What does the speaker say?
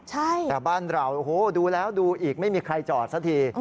แต่บ้านเราโอ้โหดูแล้วดูอีกไม่มีใครจอดสักที